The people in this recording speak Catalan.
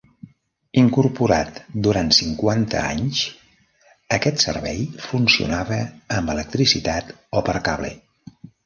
Incorporat durant cinquanta anys, aquest servei funcionava amb electricitat o per cable.